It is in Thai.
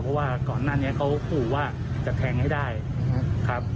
เพราะว่าก่อนหน้านี้เขาขู่ว่าจะแทงให้ได้ครับ